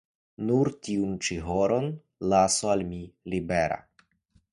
Nur tiun ĉi horon lasu al mi libera.